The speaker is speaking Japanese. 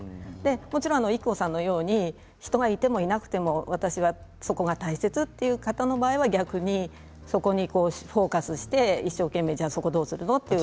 もちろんＩＫＫＯさんのように人がいてもいなくても私はそこが大切という方の場合は逆にそこにフォーカスして一生懸命そこをどうするの？と。